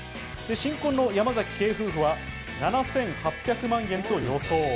新婚の山崎ケイ夫婦は７８００万円と予想。